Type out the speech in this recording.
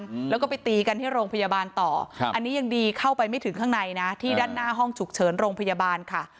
อืมแล้วก็ไปตีกันที่โรงพยาบาลต่อครับอันนี้ยังดีเข้าไปไม่ถึงข้างในนะที่ด้านหน้าห้องฉุกเฉินโรงพยาบาลค่ะ